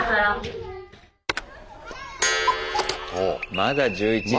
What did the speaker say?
まだ１１時。